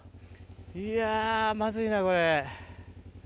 いやまずいなこれ。